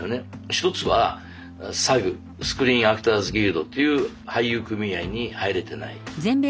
１つはＳＡＧスクリーンアクターズギルドという俳優組合に入れてない。